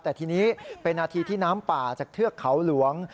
แต่ทีนี้เป็นนาทีที่น้ำป่าจากเทือกเขาหลวง